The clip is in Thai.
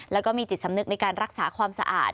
แล้วก็มีจิตสำนึกในการรักษาความสะอาด